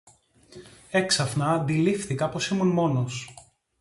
Έξαφνα αντιλήφθηκα πως ήμουν μόνος.